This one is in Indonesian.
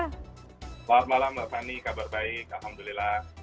selamat malam mbak fani kabar baik alhamdulillah